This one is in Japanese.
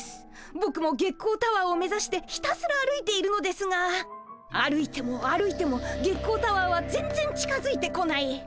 ぼくも月光タワーを目指してひたすら歩いているのですが歩いても歩いても月光タワーは全然近づいてこない。